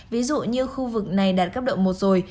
ví dụ như khu vực này đạt cấp độ một rồi